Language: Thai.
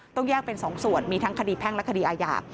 ต้องแยกเป็น๒ส่วนมีทั้งคดีแพ่งและคดีอาญา